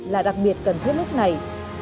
là đặc biệt cần thiết lúc này